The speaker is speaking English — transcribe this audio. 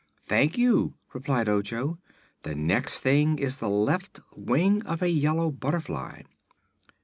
"Thank you," replied Ojo. "The next thing is the left wing of a yellow butterfly."